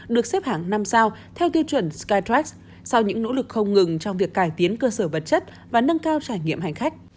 được xếp hạng năm sao theo tiêu chuẩn skydrax sau những nỗ lực không ngừng trong việc cải tiến cơ sở vật chất và nâng cao trải nghiệm hành khách